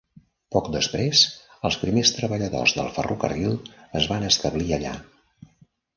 Poc després, els primers treballadors del ferrocarril es van establir allà.